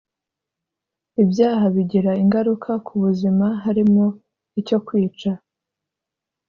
ibyaha bigira ingaruka ku buzima harimo icyo kwica